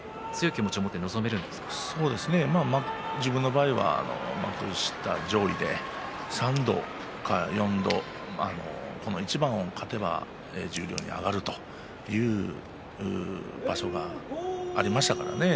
幕下上位で、自分の場合は３度か４度この一番を勝てば十両に上がるという場所がありましたからね。